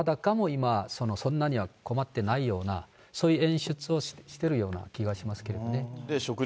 今、そんなには困ってないような、そういう演出をしてるような気がしますけどね。